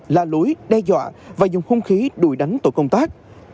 la lối đe dọa và dùng không khí đuổi đánh tội công tác